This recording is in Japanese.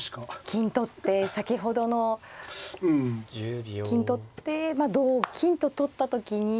金取って先ほどの金取って同金と取った時に。